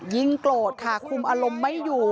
โกรธค่ะคุมอารมณ์ไม่อยู่